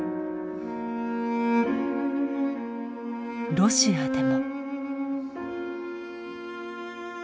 ロシアでも。